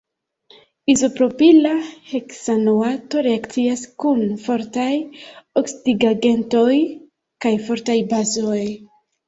Izopropila heksanoato reakcias kun fortaj oksidigagentoj kaj fortaj bazoj.